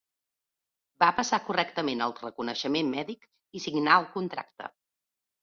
Va passar correctament el reconeixement mèdic i signà el contracte.